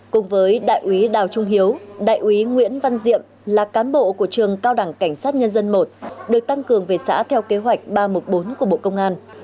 cùng với đại úy đào trung hiếu đại úy nguyễn văn diệm là cán bộ của trường cao đẳng cảnh sát nhân dân i được tăng cường về xã theo kế hoạch ba trăm một mươi bốn của bộ công an